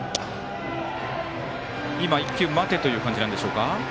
１球待てという感じなんでしょうか。